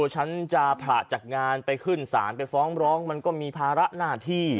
ฉันจะผละจากงานไปขึ้นศาลไปฟ้องร้องมันก็มีภาระหน้าที่